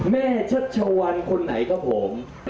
แม่ชัดชวรรคนไหนก็ผม